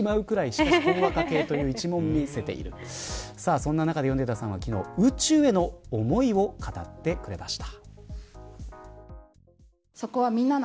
そんな中で米田さんは昨日宇宙への思いを語ってくれました。